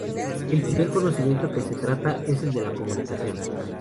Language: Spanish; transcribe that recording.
El primer conocimiento que se trata es el de la comunicación.